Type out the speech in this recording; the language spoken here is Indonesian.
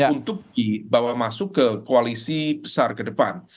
untuk dibawa masuk ke koalisi besar ke depan